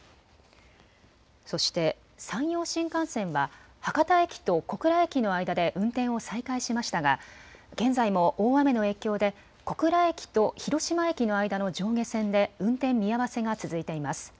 そして山陽新幹線は博多駅と小倉駅の間で運転を再開しましたが現在も大雨の影響で小倉駅と広島駅の間の上下線で運転見合わせが続いています。